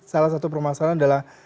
salah satu permasalahan adalah